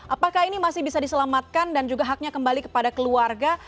apakah ini masih bisa diselamatkan dan juga haknya kembali kepada keluarga